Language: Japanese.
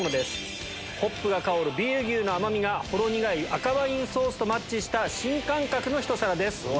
ホップが香る麦酒牛の甘みがほろ苦い赤ワインソースとマッチした新感覚のひと皿です。